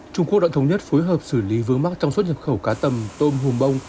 trung quốc đã thống nhất phối hợp xử lý vướng mắc trong xuất nhập khẩu cá tầm tôm hùm bông